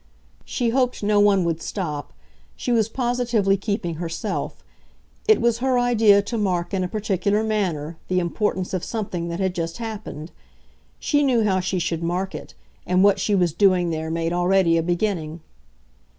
She hoped no one would stop she was positively keeping herself; it was her idea to mark in a particular manner the importance of something that had just happened. She knew how she should mark it, and what she was doing there made already a beginning.